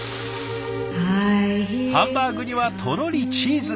ハンバーグにはとろりチーズ。